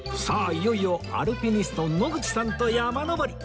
いよいよアルピニスト野口さんと山登り！